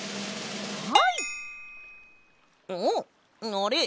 あれ？